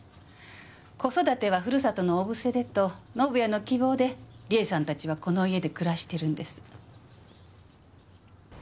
子育てはふるさとの小布施でと宣也の希望で理恵さんたちはこの家で暮らしてるんです。